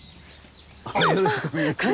よろしくお願いします。